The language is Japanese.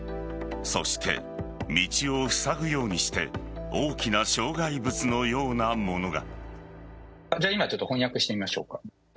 そして、道をふさぐようにして大きな障害物のようなものが。